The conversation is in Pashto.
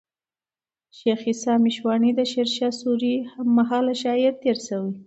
شېخ عیسي مشواڼى د شېرشاه سوري هم مهاله شاعر تېر سوی دئ.